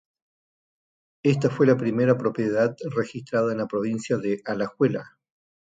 Esta fue la primera propiedad registrada en la provincia de Alajuela.